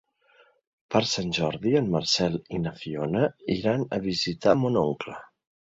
Per Sant Jordi en Marcel i na Fiona iran a visitar mon oncle.